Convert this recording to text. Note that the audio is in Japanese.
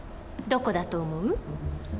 どこだと思う？